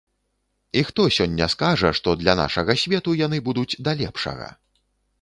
І хто сёння скажа, што для нашага свету яны будуць да лепшага?!